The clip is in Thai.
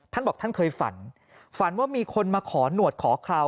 ท่านบอกท่านเคยฝันฝันว่ามีคนมาขอหนวดขอคราว